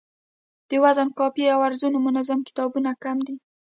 د وزن، قافیې او عروضو منظم کتابونه کم دي